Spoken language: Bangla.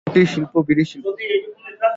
কুটিরশিল্প বিড়িশিল্প।